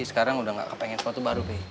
sekarang udah nggak kepengen sepatu baru pi